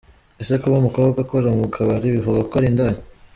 Ese kuba umukobwa akora mu kabari bivuga ko ari indaya?